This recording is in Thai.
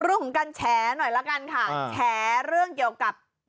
เรื่องของการแฉหน่อยละกันค่ะแฉเรื่องเกี่ยวกับ